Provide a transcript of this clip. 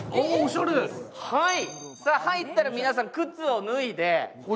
入ったら皆さん、靴を脱いで。